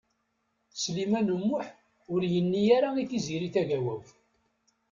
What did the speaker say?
Sliman U Muḥ ur yenni ara i Tiziri Tagawawt.